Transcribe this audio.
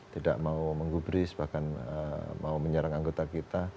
tidak mau menggubris bahkan mau menyerang anggota kita